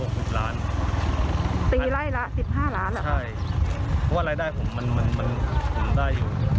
เพราะว่ารายได้ผมมันอยู่